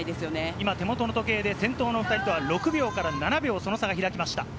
今、手元の時計で先頭の２人は６秒から７秒、その差が開きました。